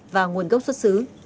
và nguồn gốc xuất xứ